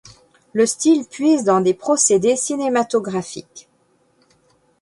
Le style puise dans des procédés cinématographiques.